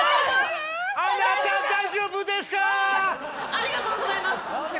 ありがとうございます。